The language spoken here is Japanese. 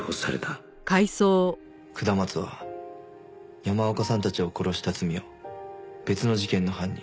下松は山岡さんたちを殺した罪を別の事件の犯人